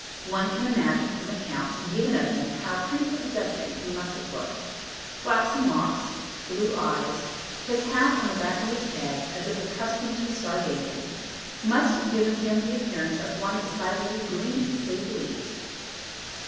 One can imagine from accounts given of him how prepossessing he must have looked; flaxen locks, blue eyes, his hat on the back of his head as if accustomed to star gazing, must have given him the appearance of one decidedly 'green,' to say the least.